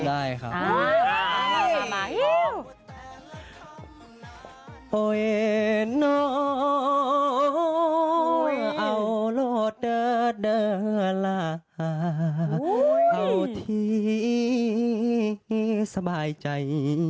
น้องเอาโรธเดินละเอาที่สบายใจ